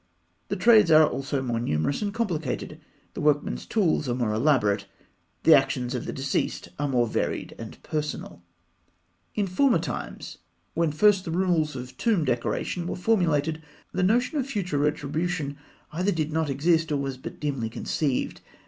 The trades are also more numerous and complicated; the workmen's tools are more elaborate; the actions of the deceased are more varied and personal. In former times, when first the rules of tomb decoration were formulated, the notion of future retribution either did not exist, or was but dimly conceived.